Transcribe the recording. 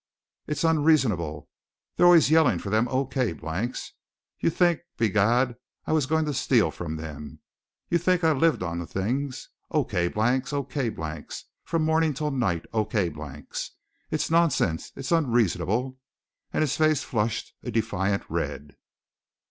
"It's onraisonable! They're aalways yillen fer thim O. K. blanks. Ye'd think, begad, I was goin' to steal thim from thim. Ye'd think I lived on thim things. O. K. blanks, O. K. blanks. From mornin' 'til night O. K. blanks. It's nonsinse! It's onraisonable!" And his face flushed a defiant red.